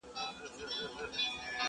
نور به نه اورې ژړا د ماشومانو٫